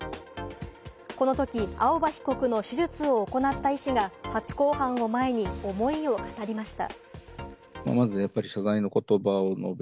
このとき青葉容疑者の手術を行った医師が初公判を前に思いを語りました。